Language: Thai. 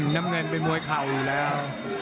น้ำเงินเป็นมวยเข่าอยู่แล้ว